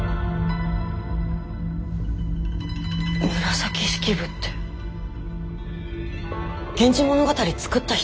紫式部って「源氏物語」作った人？